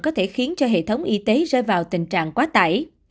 có thể khiến cho hệ thống y tế rơi vào tình trạng quá tải